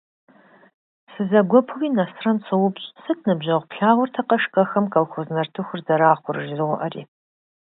Сызэгуэпуи Нэсрэн соупщӏ:- Сыт, ныбжьэгъу, плъагъуртэкъэ шкӏэхэм колхоз нартыхур зэрахъур? - жызоӏэри.